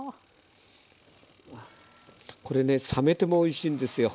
これね冷めてもおいしいんですよ